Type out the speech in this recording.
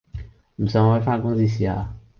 唔信可以番公司試下